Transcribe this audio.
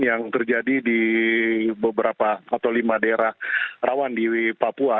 yang terjadi di beberapa atau lima daerah rawan di papua